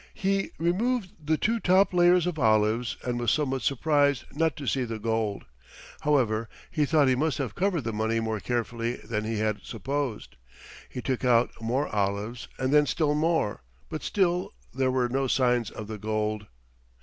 He removed the two top layers of olives and was somewhat surprised not to see the gold. However, he thought he must have covered the money more carefully than he had supposed. He took out more olives, and then still more, but still there were no signs of the gold.